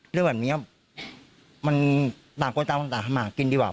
เรื่องแบบนี้มันต่างคนต่างทำมากินดีกว่า